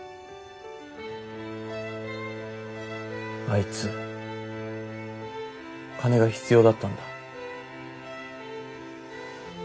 あいつ金が必要だったんだ。